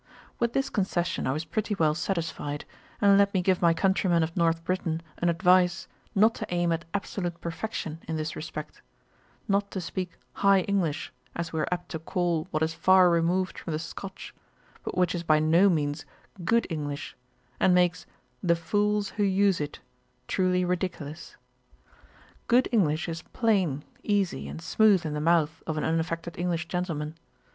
With this concession I was pretty well satisfied; and let me give my countrymen of North Britain an advice not to aim at absolute perfection in this respect; not to speak High English, as we are apt to call what is far removed from the Scotch, but which is by no means good English, and makes, 'the fools who use it,' truly ridiculous. Good English is plain, easy, and smooth in the mouth of an unaffected English Gentleman.